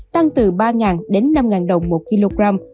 tăng từ ba năm đồng một kg